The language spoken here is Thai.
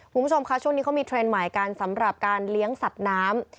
คุณผู้ชมค่ะช่วงนี้เขามีเทรนด์ใหม่กันสำหรับการเลี้ยงสัตว์น้ำ